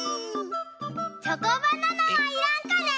チョコバナナはいらんかね？